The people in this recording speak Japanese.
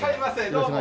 どうも。